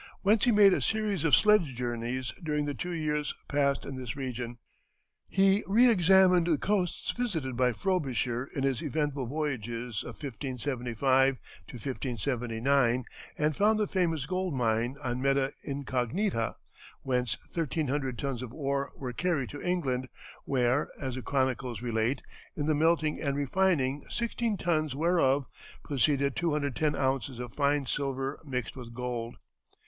whence he made a series of sledge journeys during the two years passed in this region. He re examined the coasts visited by Frobisher in his eventful voyages of 1575 to 1579, and found the famous gold mine on Meta Incognita, whence 1,300 tons of ore were carried to England, where, as the chronicles relate, "in the melting and refining 16 tonnes whereof, proceeded 210 ounces of fine silver mixed with gold."